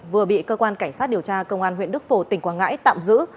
vừa bị cơ quan cảnh sát điều tra công an huyện đức phổ tỉnh quảng ngãi tạm giữ